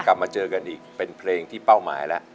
กลับมาเจอกันอีกเป็นเพลงที่เป้าหมายแล้ว